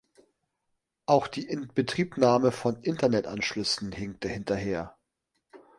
Auch die Inbetriebnahme von Internetanschlüssen hinkte hinterher.